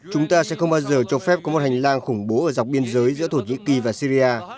chúng ta sẽ không bao giờ cho phép có một hành lang khủng bố ở dọc biên giới giữa thổ nhĩ kỳ và syria